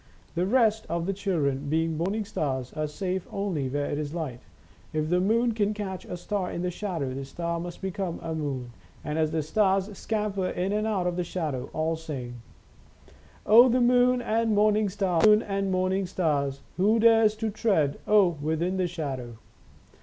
The rest of the children, being Morning Stars, are safe only where it is light. If the Moon can catch a Star in the shadow, the Star must become Games and Sports 103 a Moon, and as the Stars scamper in and out of the shadow, all sing :«« O the Moon and the Morning Stars, O the Moon and the Morning Stars, Who dares to tread — oh Within the shadow.'